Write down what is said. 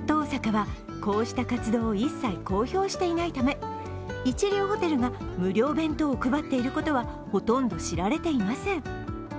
大阪は、こうした活動を一切公表していないため、一流ホテルが無料弁当を配っていることはほとんど知られていません。